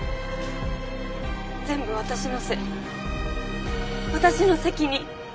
全部私のせい私の責任。